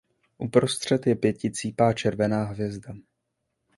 Uprostřed je pěticípá červená hvězda.